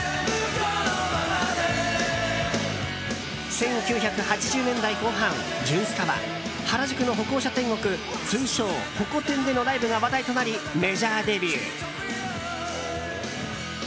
１９８０年代後半ジュンスカは原宿の歩行者天国通称、ホコ天でのライブが話題となりメジャーデビュー。